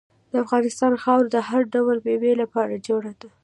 د افغانستان خاوره د هر ډول میوې لپاره جوړه ده.